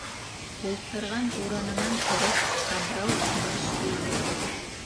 Ултырған урынынан тороп, Һабрау баш эйҙе.